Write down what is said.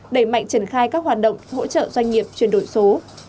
đẩy mạnh triển khai các hoạt động hỗ trợ doanh nghiệp chuyển đổi số